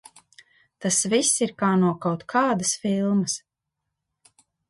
Tas viss ir kā no kaut kādas filmas.